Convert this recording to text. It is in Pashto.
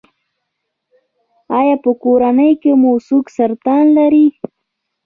ایا په کورنۍ کې مو څوک سرطان لري؟